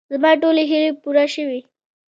زما ټولې هیلې پوره شوې.